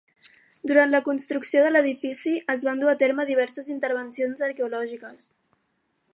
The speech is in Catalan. Durant la construcció de l'edifici es van dur a terme diverses intervencions arqueològiques.